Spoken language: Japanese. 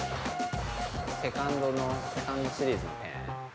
セカンドのセカンドシリーズのね。